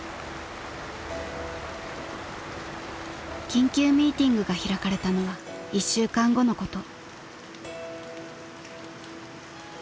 ［緊急ミーティングが開かれたのは１週間後のこと］